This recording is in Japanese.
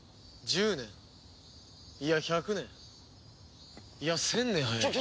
１０年いや１００年いや１０００年早い。